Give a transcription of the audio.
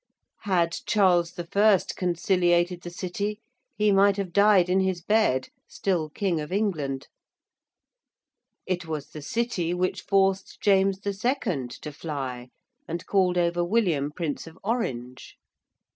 Had Charles I. conciliated the City he might have died in his bed, still King of England. It was the City which forced James II. to fly and called over William Prince of Orange.